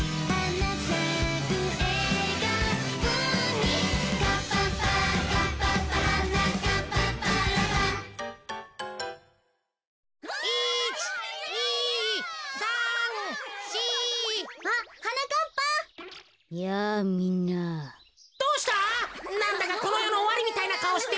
なんだかこのよのおわりみたいなかおしてるぜ。